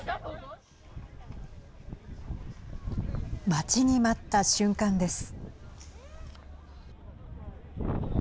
待ちに待った瞬間です。